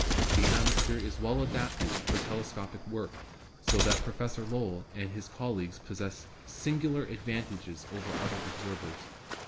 The atmosphere is well adapted for telescopic work, so that Professor Lowell and his col leagues possess singular advantages over other observers.